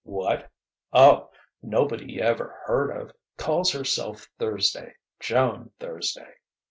What?... Oh, nobody you ever heard of. Calls herself Thursday Joan Thursday....